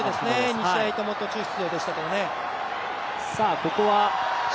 ２試合とも途中出場でしたけどね。